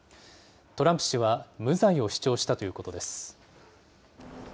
トランプ氏は無罪を主張したということです。